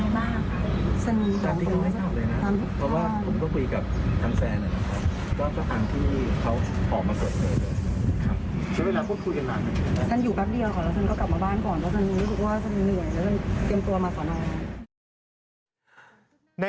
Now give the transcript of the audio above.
แล้วก็เป็นอย่างนี้เลยค่ะทุกคน